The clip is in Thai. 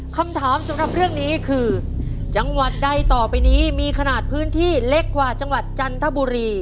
คำถามสำหรับเรื่องนี้คือจังหวัดใดต่อไปนี้มีขนาดพื้นที่เล็กกว่าจังหวัดจันทบุรี